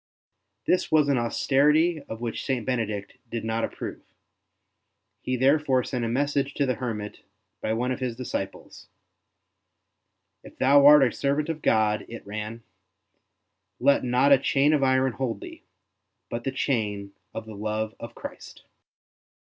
This was an austerity of which St. Benedict did not approve; he therefore sent a message to the hermit by one of his disciples. If thou art a servant of God,'' it ran, '' let not a chain of iron hold thee, but the chain of the love of Christ.''